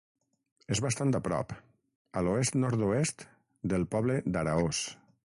És bastant a prop, a l'oest-nord-oest, del poble d'Araós.